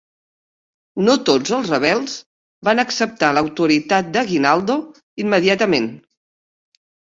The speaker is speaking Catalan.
No tots els rebels van acceptar l'autoritat d'Aguinaldo immediatament.